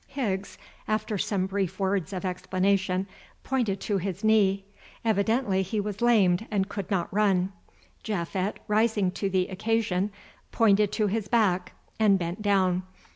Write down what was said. Higgs, after some brief words of explanation, pointed to his knee. Evidently he was lamed and could not run. Japhet, rising to the occasion, pointed to his back, and bent down.